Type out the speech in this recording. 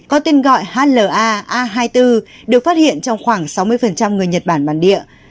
có tên gọi hla a hai mươi bốn được phát hiện trong khoảng sáu mươi người nhật bản bản địa